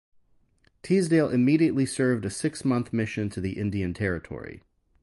Teasdale immediately served a six-month mission to the Indian Territory.